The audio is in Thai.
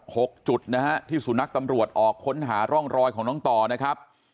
หกจุดนะฮะที่สุนัขตำรวจออกค้นหาร่องรอยของน้องต่อนะครับ